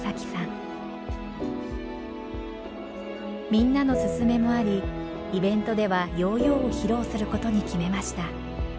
みんなの勧めもありイベントではヨーヨーを披露することに決めました。